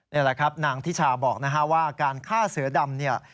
นี่แหละครับนางทิชาบอกว่าการฆ่าเสือดำเนี่ย